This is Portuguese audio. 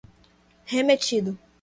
remetido